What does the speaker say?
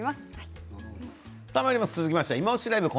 続きまして「いまオシ！ＬＩＶＥ」。